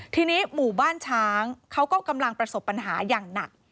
ทีนี้หมู่บ้านช้างเขาก็กำลังประสบปัญหาอย่างหนัก